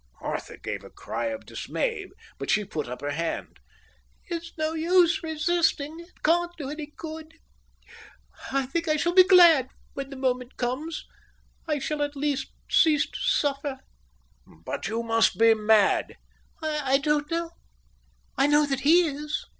Arthur gave a cry of dismay, but she put up her hand. "It's no use resisting. It can't do any good—I think I shall be glad when the moment comes. I shall at least cease to suffer." "But you must be mad." "I don't know. I know that he is."